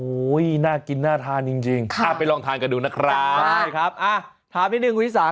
โอ้โหน่ากินน่าทานจริงอ่าไปลองทานกันดูนะครับอ่าถามนิดนึงวิสา